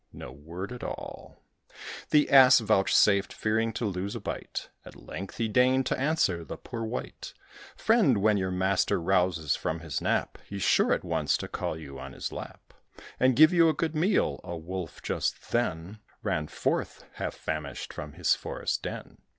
No word at all The Ass vouchsafed, fearing to lose a bite; At length he deigned to answer the poor wight: "Friend, when your master rouses from his nap, He's sure at once to call you on his lap, And give you a good meal." A Wolf, just then, Ran forth, half famished, from his forest den.